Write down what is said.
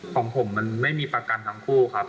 ของผมมันไม่มีประกันทั้งคู่ครับ